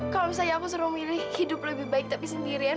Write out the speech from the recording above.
kalau misalnya aku suruh milih hidup lebih baik tapi sendirian